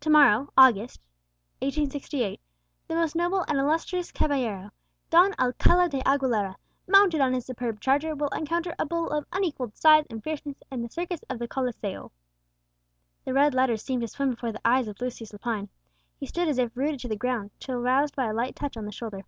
"To morrow, August , 1868, the most noble and illustrious caballero, Don Alcala de Aguilera, mounted on his superb charger, will encounter a bull of unequalled size and fierceness in the circus of the Coliseo." The red letters seemed to swim before the eyes of Lucius Lepine. He stood as if rooted to the ground, till roused by a light touch on the shoulder.